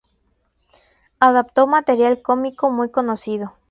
Adaptó material cómico muy conocido.